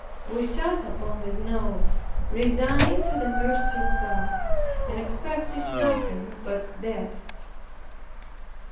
We sat upon the snow, resigned to the mercy of God, and expected nothing but death.